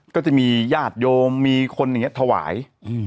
ก็จะมีญาติโยมมีคนอย่างนี้ถวาย